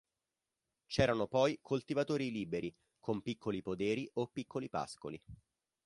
C'erano poi coltivatori liberi con piccoli poderi, o piccoli pascoli.